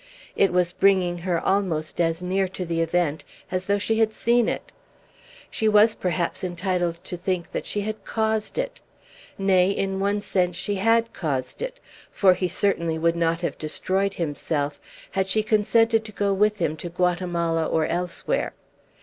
It was bringing her almost as near to the event as though she had seen it! She was, perhaps, entitled to think that she had caused it! Nay; in one sense she had caused it, for he certainly would not have destroyed himself had she consented to go with him to Guatemala or elsewhere.